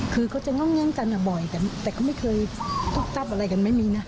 คือเขาจะง่างจังห์บ่อยแต่เขาไม่เคยตุ๊กตับอะไรกันไม่มีนะ